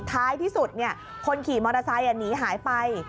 ท้ายที่สุดคนขี่มอเตอร์ไซค์หนีหายไป